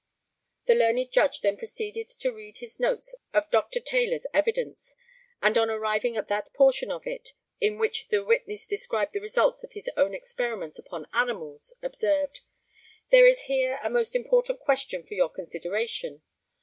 [The learned Judge then proceeded to read his notes of Dr. Taylor's evidence, and on arriving at that portion of it in which the witness described the results of his own experiments upon animals observed, ] There is here a most important question for your consideration.